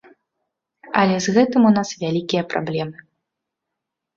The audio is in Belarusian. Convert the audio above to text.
Але з гэтым у нас вялікія праблемы.